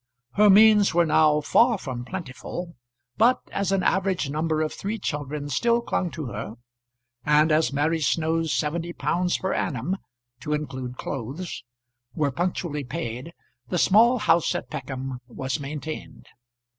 Her means were now far from plentiful; but as an average number of three children still clung to her, and as Mary Snow's seventy pounds per annum to include clothes were punctually paid, the small house at Peckham was maintained.